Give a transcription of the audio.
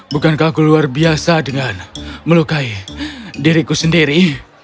bukankah aku luar biasa dengan melukai diriku sendiri